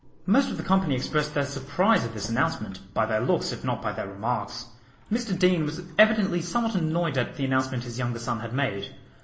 Most of the company expressed their surprise at this announcement, by their looks if not by their remarks. Mr Deane was evidently somewhat annoyed at the announcement his younger son had made.